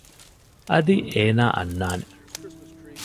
އަދި އޭނާ އަންނާނެ